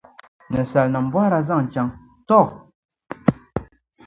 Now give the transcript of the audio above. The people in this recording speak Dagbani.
Ninsalinim’ bɔhiri a n-zaŋ chaŋ, tɔ!